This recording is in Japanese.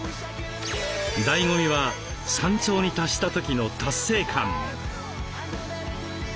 だいご味は山頂に達した時の達成感。